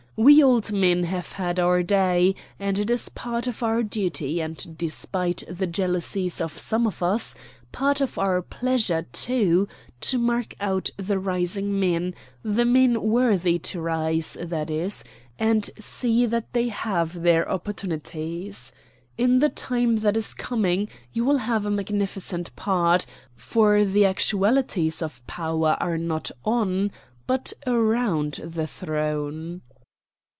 We old men have had our day, and it is part of our duty, and, despite the jealousies of some of us, part of our pleasure too, to mark out the rising men the men worthy to rise, that is and see that they have their opportunities. In the time that is coming you will have a magnificent part, for the actualities of power are not on, but around, the throne."